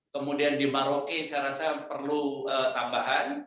kemudian di maroke saya rasa perlu tambahan